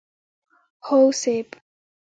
هو صيب!